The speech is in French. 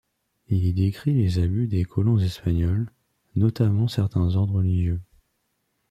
Il y décrit les abus des colons espagnols, notamment certains ordres religieux.